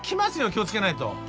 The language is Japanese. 気を付けないと。